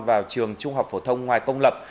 vào trường trung học phổ thông ngoài công lập